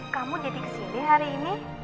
kamu jadi kesini hari ini